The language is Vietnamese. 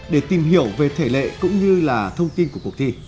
để tìm hiểu về thể lệ cũng như là thông tin của cuộc thi